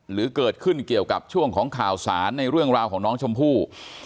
หรือเกิดขึ้นเกี่ยวกับช่วงของข่าวสารในเรื่องราวของน้องชมพู่